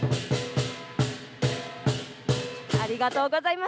ありがとうございます。